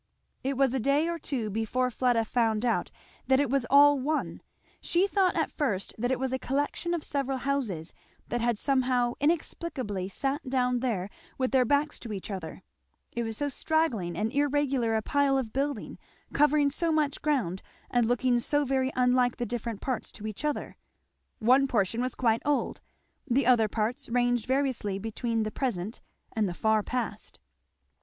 It was a day or two before Fleda found out that it was all one; she thought at first that it was a collection of several houses that had somehow inexplicably sat down there with their backs to each other; it was so straggling and irregular a pile of building, covering so much ground, and looking so very unlike the different parts to each other. One portion was quite old; the other parts ranged variously between the present and the far past.